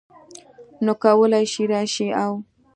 نو کولی شې راشې او